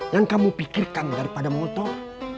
yang kamu pikirkan daripada motor